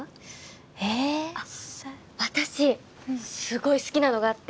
私すごい好きなのがあって。